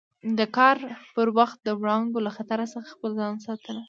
د کار پر وخت د وړانګو له خطر څخه خپل ځانونه وساتي.